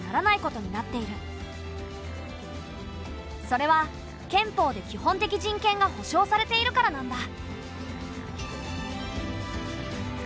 それは憲法で基本的人権が保障されているからなんだ。